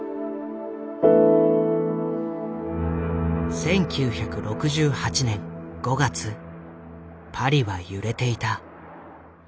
１９６８年５月パリは揺れていた。